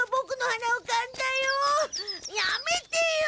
やめてよ！